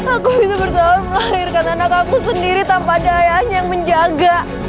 aku bisa bersabar melahirkan anak aku sendiri tanpa ada ayahnya yang menjaga